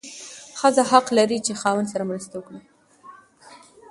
ښځه حق لري چې خاوند سره مرسته وکړي.